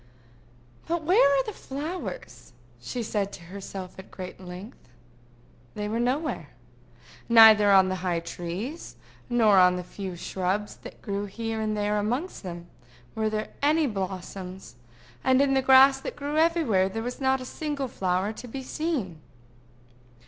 "But where are the flowers?" she said to herself at length. They were nowhere. Neither on the high trees, nor on the few shrubs that grew here and there amongst them, were there any blossoms; and in the grass that grew everywhere there was not a single flower to be seen.